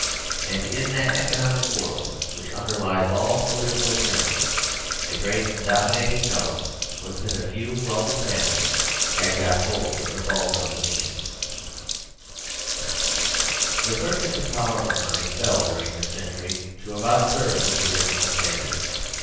And in that economic world which underlies all political appear ances, the great dominating note was that a few wealthy families had got hold of the bulk of the means * The purchasing power of money fell during this century to about a third of its original standard.